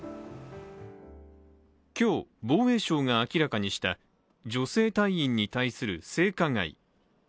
今日、防衛省が明らかにした女性隊員に対する性加害。